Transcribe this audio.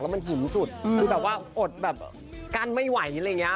มันหิวสุดคือแบบว่าอดแบบกั้นไม่ไหวอะไรอย่างนี้